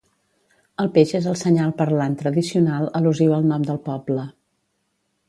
El peix és el senyal parlant tradicional al·lusiu al nom del poble.